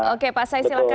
oke pak syai silakan